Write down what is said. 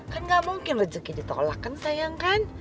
kan gak mungkin rezeki ditolak kan sayang kan